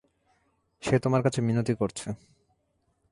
সে তোমার কাছে মিনতি করছে।